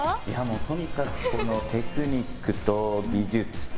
とにかくテクニックと技術と